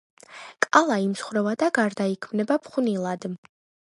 კალა იმსხვრევა და გარდაიქმნება ფხვნილად.